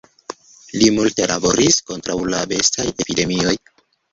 Li multe laboris kontraŭ la bestaj epidemioj.